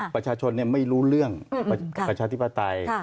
ประชาชนไม่รู้เรื่องประชาธิปไตย